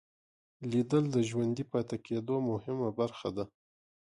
لیدل د ژوندي پاتې کېدو مهمه برخه ده